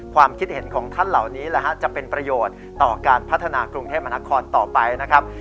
ความคิดเห็นของท่านเหล่านี้จะเป็นประโยชน์ต่อการพัฒนากรุงเทพมนาคอนต่อไปนะครับ